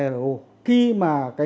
lo khi mà